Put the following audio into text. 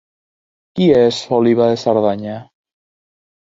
Qui és Oliba de Cerdanya?